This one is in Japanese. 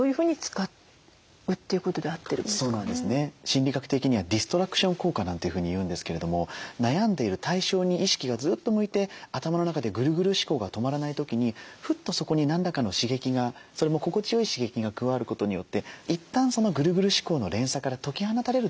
心理学的にはディストラクション効果なんていうふうに言うんですけれども悩んでいる対象に意識がずっと向いて頭の中でグルグル思考が止まらない時にフッとそこに何らかの刺激がそれも心地よい刺激が加わることによっていったんそのグルグル思考の連鎖から解き放たれるということがあって。